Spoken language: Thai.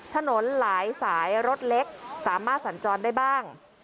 ถนนหลายสายรถเล็กสามารถสัญจรได้บ้าง